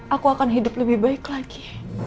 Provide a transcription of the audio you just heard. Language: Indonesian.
aku akan hidup lebih baik lagi